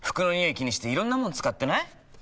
気にしていろんなもの使ってない？